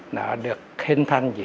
nó được khinh thanh vì thơ